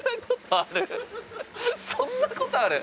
そんなことある？